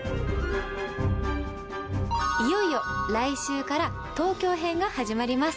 いよいよ来週から東京編が始まります。